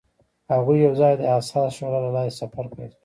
هغوی یوځای د حساس شعله له لارې سفر پیل کړ.